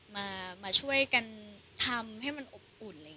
มาช่วยกันทำให้มันอบอุ่น